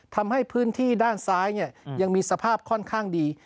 ทำให้พื้นที่ด้านซ้ายยังมีสภาพค่อนข้างดี